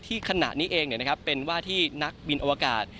ขณะนี้เองเป็นว่าที่นักบินอวกาศ